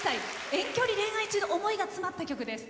遠距離恋愛中の思いが詰まった曲です。